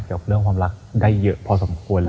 กับเรื่องความรักได้เยอะพอสมควรเลย